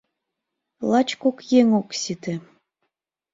— Лач кок еҥ ок сите.